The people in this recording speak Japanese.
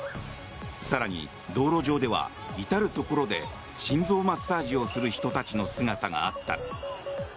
更に、道路上では至るところで心臓マッサージをする人たちの姿があった。